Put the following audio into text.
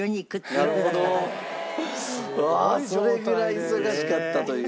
うわそれぐらい忙しかったという。